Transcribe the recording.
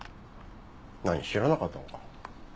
何知らなかったのか？